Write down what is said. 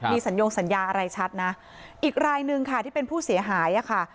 มีสัญญงสัญญาอะไรชัดนะอีกรายหนึ่งค่ะที่เป็นผู้เสียหายอ่ะค่ะ